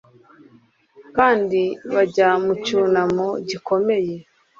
kandi bajya mu cyunamo gikomeye